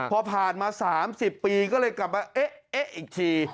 พอผ่านมา๓๐ปีก็เลยกลับมาเอ๊ะอีกที